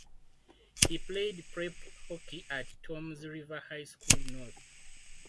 He played prep hockey at Toms River High School North.